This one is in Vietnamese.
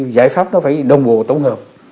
giải pháp đó phải đồng bộ tổng hợp